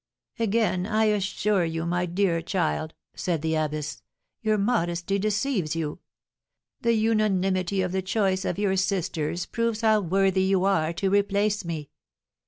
"Again I assure you, my dear child," said the abbess, "your modesty deceives you. The unanimity of the choice of your sisters proves how worthy you are to replace me.